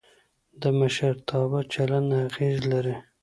د مشرتابه چلند اغېز لري